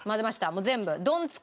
もう全部。